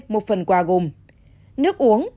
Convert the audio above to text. một phần quà gồm nước uống